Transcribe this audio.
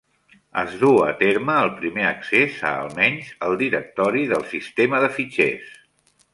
Es duu a terme el primer accés a almenys el directori del sistema de fitxers.